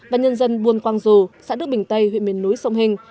và nhân dân buôn quang dù xã đức bình tây huyện miền núi sông hình